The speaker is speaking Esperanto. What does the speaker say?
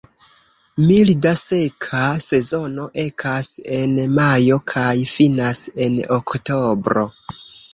Milda, seka sezono ekas en majo kaj finas en oktobro.